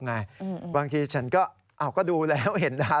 ยอมรับว่าการตรวจสอบเพียงเลขอยไม่สามารถทราบได้ว่าเป็นผลิตภัณฑ์ปลอม